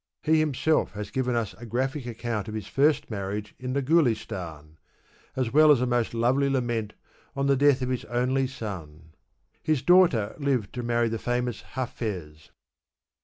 He himself has given us a graphic account of his first marriage in the GuUstan ^ as well as a most lovely lament on the death of his only son.^ His daughter lived to marry the famous Hafiz.